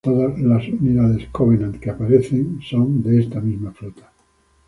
Todas las unidades Covenant que aparecen en son de esta misma flota.